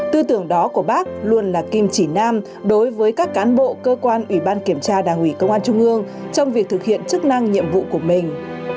tư tưởng đó của bác luôn là kim chỉ nam đối với các cán bộ cơ quan ủy ban kiểm tra đảng ủy công an trung ương trong việc thực hiện chức năng nhiệm vụ của mình